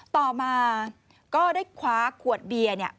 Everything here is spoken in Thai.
ต่อมาก็ได้คว้าขวดเบียร์